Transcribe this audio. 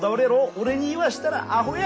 俺に言わしたらアホや。